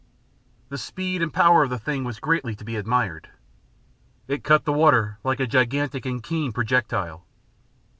The speed and power of the thing was greatly to be admired. It cut the water like a gigantic and keen projectile.